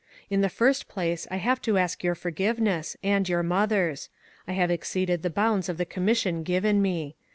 In the first place I have to ask your forgiveness, aud SHADOWED LIVES. 381 your mother's. I have exceeded the bounds of the commission given me.